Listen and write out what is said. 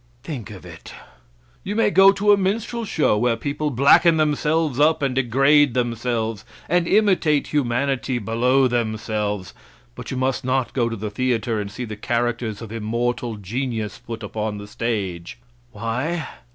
'" Think of it! "You may go to a minstrel show, where people blacken themselves up and degrade themselves, and imitate humanity below themselves, but you must not go to the theater and see the characters of immortal genius put upon the stage." Why?